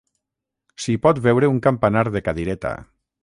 S'hi pot veure un campanar de cadireta.